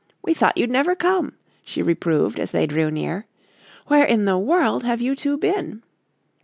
"We thought you'd never come," she reproved as they drew near. "Where in the world have you two been?"